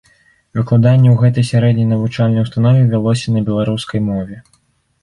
Выкладанне ў гэтай сярэдняй навучальнай установе вялося на беларускай мове.